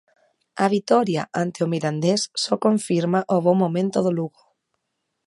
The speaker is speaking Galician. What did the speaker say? A vitoria ante o Mirandés só confirma o bo momento do Lugo.